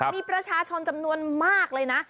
มีประชาชนจำนวนมากเลยนะ